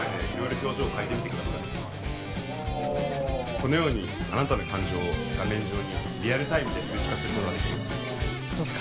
このようにあなたの感情を画面上にリアルタイムで数値化することができますどうっすか？